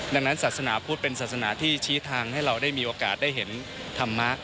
ดังนั้นศาสนาพุทธเป็นศาสนาที่ชี้ทางให้เราได้มีโอกาสได้เห็นธรรมะ